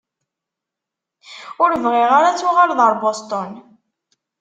Ur bɣiɣ ara ad tuɣaleḍ ar Boston.